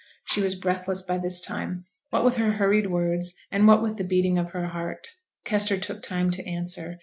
She was breathless by this time, what with her hurried words, and what with the beating of her heart. Kester took time to answer.